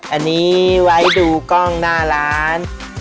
อันนี้ไว้ดูกล้องหน้าร้าน